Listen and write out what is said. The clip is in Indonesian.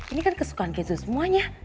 ini kan kesukaan keju semuanya